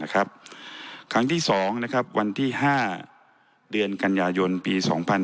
ครั้งที่๒วันที่๕เดือนกันยายนปี๒๕๕๙